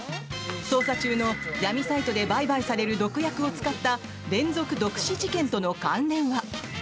捜査中の闇サイトで売買される毒薬を使った連続毒死事件との関連は？